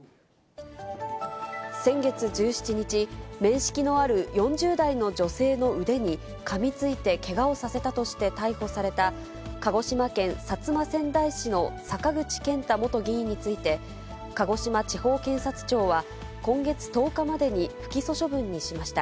先月１７日、面識のある４０代の女性の腕にかみついてけがをさせたとして逮捕された鹿児島県薩摩川内市の坂口健太元議員について、鹿児島地方検察庁は、今月１０日までに不起訴処分にしました。